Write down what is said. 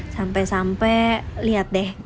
sampai sampai lihat deh